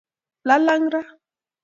Lalang raa